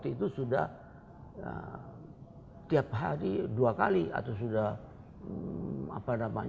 itu sudah tiap hari dua kali atau sudah apa namanya